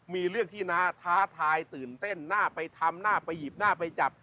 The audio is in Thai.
มีเรื่องที่น้าท้าทายตื่นเต้นน่าไปทำหน้าไปหยิบหน้าไปจับ